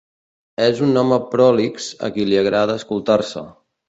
És un home prolix, a qui li agrada escoltar-se.